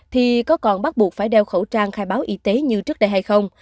thì có còn bắt buộc phải đeo khẩu trang khai báo y tế như trước đây hay không